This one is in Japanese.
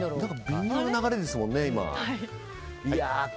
微妙な流れですもんね。